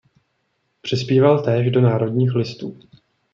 Přispíval též do Národních listů.